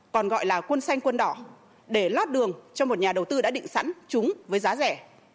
còn gọi là quân xanh quân đỏ để lót đường cho một nhà đầu tư đã định sẵn chúng với giá rẻ